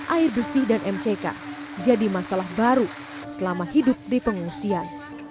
air bersih dan mck jadi masalah baru selama hidup di pengungsian